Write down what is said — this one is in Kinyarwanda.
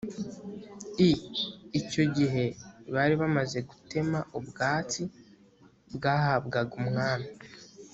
i icyo gihe bari bamaze gutema ubwatsi bwahabwaga umwami